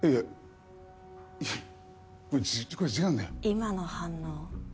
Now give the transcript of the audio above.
今の反応。